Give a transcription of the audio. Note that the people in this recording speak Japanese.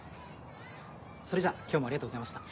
それじゃ今日もありがとうございました。